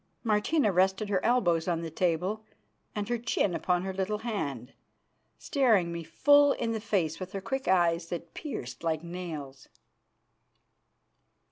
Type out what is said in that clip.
Martina rested her elbows on the table and her chin upon her little hand, staring me full in the face with her quick eyes that pierced like nails.